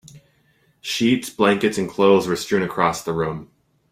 Sheets, blankets, and clothes were strewn across the room.